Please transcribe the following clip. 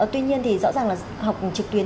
tuy nhiên thì rõ ràng là học trực tuyến